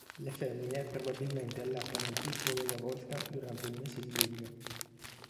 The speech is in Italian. Le femmine probabilmente allattano un piccolo alla volta durante il mese di luglio.